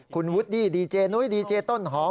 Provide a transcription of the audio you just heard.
คุณวูดดี้ดีเจนุ้ยดีเจต้นหอม